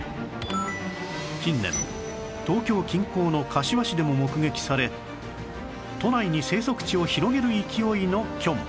近年東京近郊の柏市でも目撃され都内に生息地を広げる勢いのキョン